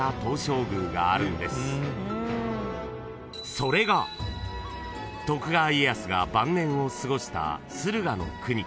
［それが徳川家康が晩年を過ごした駿河国］